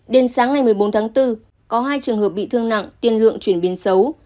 đến sáng ngày một mươi bốn tháng bốn có hai trường hợp bị thương nặng tiền lượng chuyển biến xấu